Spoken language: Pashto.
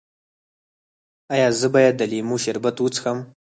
ایا زه باید د لیمو شربت وڅښم؟